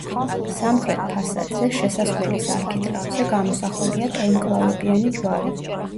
სამხრეთ ფასადზე, შესასვლელის არქიტრავზე, გამოსახულია ტოლმკლავებიანი ჯვარი.